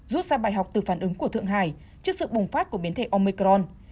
rút ra bài học từ phản ứng của thượng hải trước sự bùng phát của biến thể omicron